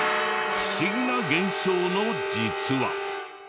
不思議な現象の「実は」。